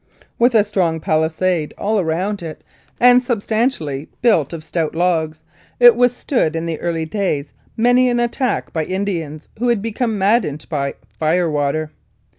With a strong palisade all round it, and substantially 58 1888 89. Lethbridge built of stout logs, it withstood in the early days many an attack by Indians who had become maddened by "fire water."